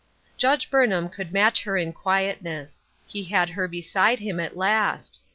" Judge Burnham could match her in quietness He had her beside him at last.